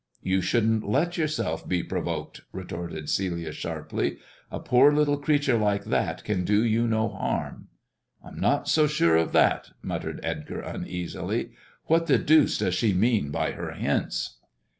"You shouldn't let yourself be provoked," retorted }lia sharply ;" a poor little creature like that can do you t harm." I'm not so sure of that," muttered Edgar uneasily. What the deuce does she mean by her hints